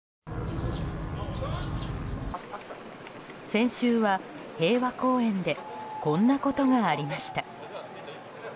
先週は平和公園でこんなことがありました。